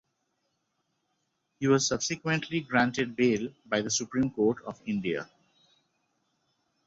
He was subsequently granted bail by the Supreme Court of India.